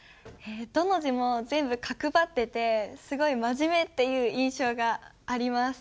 どの字も全部角張っててすごい真面目っていう印象があります。